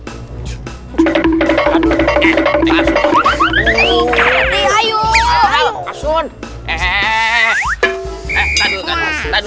eh aduh aduh aduh